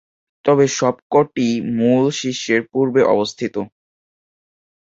তবে সবক’টিই মূল শীর্ষের পূর্বে অবস্থিত।